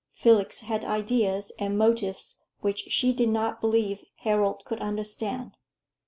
Felix had ideas and motives which she did not believe Harold could understand.